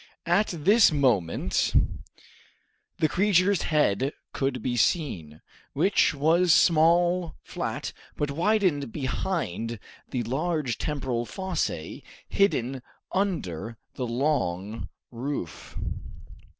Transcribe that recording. At this moment the creature's head could be seen, which was small, flat, but widened behind by the large temporal fossae hidden under the long roof.